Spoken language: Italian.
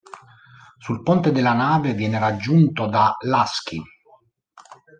Sul ponte della nave, viene raggiunto da Lasky.